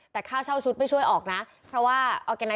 แต่ข้าวเช่าชุดไม่ช่วยออกนะ